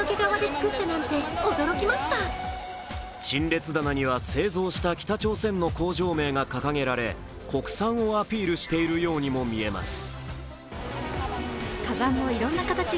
陳列棚には製造した北朝鮮の工場名が掲げられ国産をアピールしているようにもみえます。